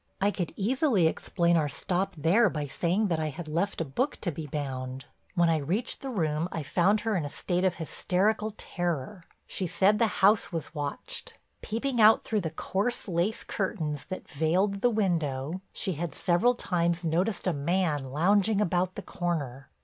I could easily explain our stop there by saying that I had left a book to be bound. "When I reached the room I found her in a state of hysterical terror—she said the house was watched. Peeping out through the coarse lace curtains that veiled the window, she had several times noticed a man lounging about the corner.